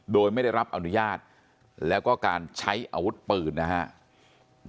โดยไม่ได้รับอนุญาตแล้วก็การใช้อาวุธปืนนะฮะ